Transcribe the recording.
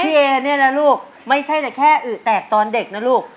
เอเนี่ยนะลูกไม่ใช่แต่แค่อึแตกตอนเด็กนะลูก